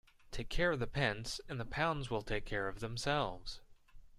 Take care of the pence and the pounds will take care of themselves.